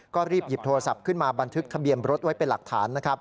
ก็รีบหยิบโทรศัพท์ขึ้นมาบันทึกทะเบียนรถไว้เป็นหลักฐานนะครับ